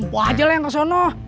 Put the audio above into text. mpuh aja lah yang kesana